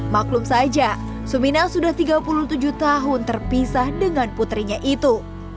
maklum saja suminah sudah tiga puluh tujuh tahun terpisah dengan putrinya itu